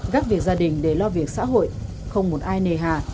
gác việc gia đình để lo việc xã hội không một ai nề hà